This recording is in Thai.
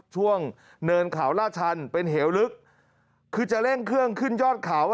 ช่วงเนินขาวราชันเป็นเหลื้อลึกคือจะเร่งเครื่องขึ้นยอดเขา